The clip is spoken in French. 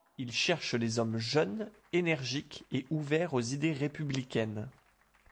Il cherche des hommes jeunes, énergiques et ouverts aux idées républicaines.